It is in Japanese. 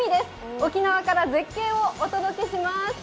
沖縄から絶景をお届けします。